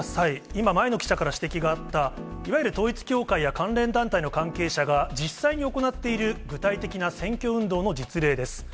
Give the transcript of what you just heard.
今、前野記者から指摘があった、いわゆる統一教会や関連団体の関係者が実際に行っている具体的な選挙運動の実例です。